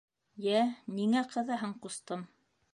— Йә, ниңә ҡыҙаһың, ҡустым?